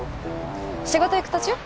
仕事行く途中？